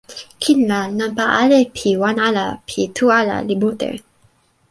kin la, nanpa ale pi wan ala pi tu ala li mute.